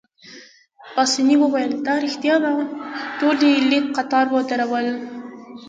پاسیني وویل: دا ريښتیا ده، ټول يې لیک قطار ودرول.